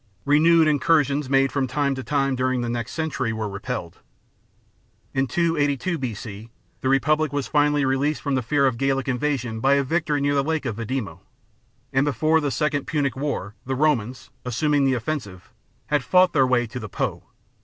Re newed incursions, made from time to time during the next century, were repelled : in 282 B.C. the Republic was finally released from the fear of Gallic invasion by a victory near the Lake of Vadimo ; and before the second Punic War the Romans, assuming the offensive, had fought their way to the Po.